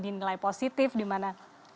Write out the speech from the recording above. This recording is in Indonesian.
dinilai positif dimana